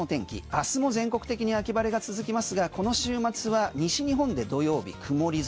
明日も全国的に秋晴れが続きますがこの週末は西日本で土曜日曇り空。